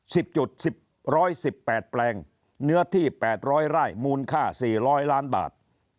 สิบจุดสิบร้อยสิบแปดแปลงเนื้อที่แปดร้อยไร่มูลค่าสี่ร้อยล้านบาท